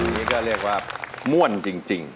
อันนี้ก็เรียกว่าม่วนจริง